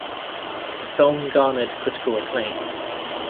The song garnered critical acclaim.